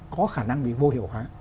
có khả năng bị vô hiệu hóa